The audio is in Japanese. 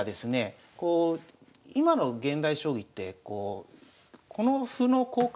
今の現代将棋ってこうこの歩の交換